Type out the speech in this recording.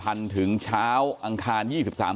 ภาพันธ์ถึงเช้าองคารยี่สิบสาม